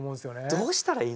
どうしたらいい？